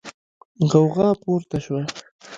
غوغا پورته شوه.